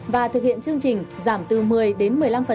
và thực hiện chương trình giảm từ một mươi đến một mươi năm